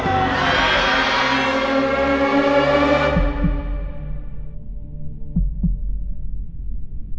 คุณฟ้าร้อง